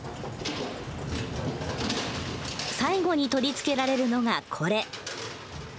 最後に取り付けられるのがこれ。